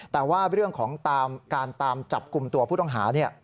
แต่ว่าเรื่องของการตามจับกลุ่มตัวผู้ต้องหา